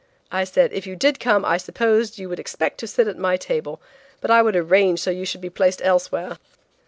I said if you did come I supposed you would expect to sit at my table, but I would arrange so you should be placed elsewhere."